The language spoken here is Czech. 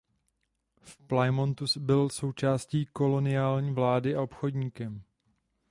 V Plymouthu byl součástí koloniální vlády a obchodníkem.